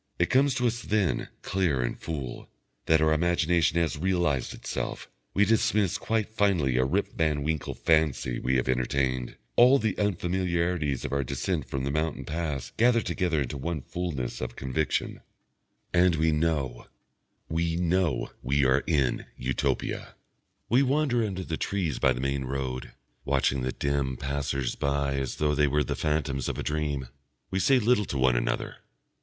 It comes to us then, clear and full, that our imagination has realised itself; we dismiss quite finally a Rip Van Winkle fancy we have entertained, all the unfamiliarities of our descent from the mountain pass gather together into one fullness of conviction, and we know, we know, we are in Utopia. We wander under the trees by the main road, watching the dim passers by as though they were the phantoms of a dream. We say little to one another.